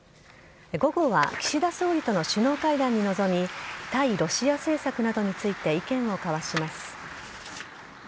午後は岸田総理との首脳会談に臨み対ロシア政策などについて意見を交わします。